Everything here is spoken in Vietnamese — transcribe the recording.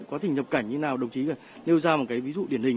quá trình nhập cảnh như thế nào đồng chí nêu ra một cái ví dụ điển hình